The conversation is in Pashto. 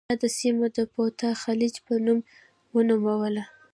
یاده سیمه د بوتا خلیج په نوم ونوموله.